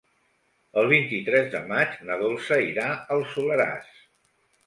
El vint-i-tres de maig na Dolça irà al Soleràs.